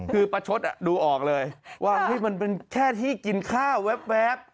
คือประชดดูออกเลยว่ามันเป็นแค่ที่กินข้าวแวบ